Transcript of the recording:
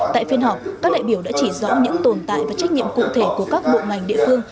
tại phiên họp các đại biểu đã chỉ rõ những tồn tại và trách nhiệm cụ thể của các bộ ngành địa phương